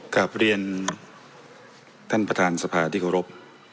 กลับเรียนท่านประธานสภาที่เคารพ